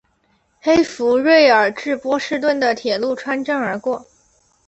黑弗瑞尔至波士顿的铁路穿镇而过。